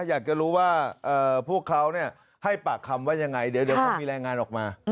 อยากจะรู้ว่าพวกเขาให้ปากคำว่ายังไงเดี๋ยวเขามีรายงานออกมา